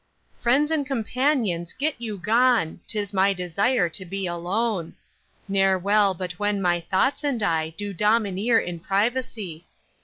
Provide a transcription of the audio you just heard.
Friends and companions get you gone, 'Tis my desire to be alone; Ne'er well but when my thoughts and I Do domineer in privacy.